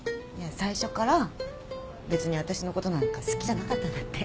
最初から別に私のことなんか好きじゃなかったんだって。